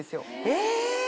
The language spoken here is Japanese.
え！